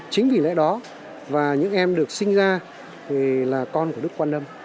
chính vì lễ đó những em được sinh ra là con của đức quán âm